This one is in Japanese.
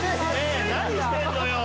何してんのよ！